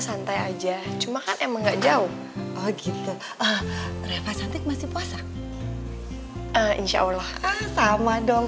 santai aja cuma kan emang enggak jauh oh gitu ah reva santik masih puasa insyaallah sama dong